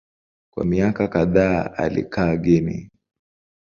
Kwa miaka kadhaa alikaa Guinea.